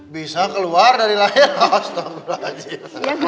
bisa keluar dari lahir astagfirullahaladzim